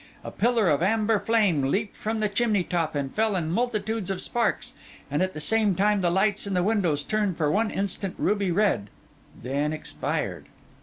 A pillar of amber flame leaped from the chimney top and fell in multitudes of sparks; and at the same time the lights in the windows turned for one instant ruby red and then expired.